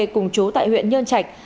cùng chú tại huyện nhơn trạch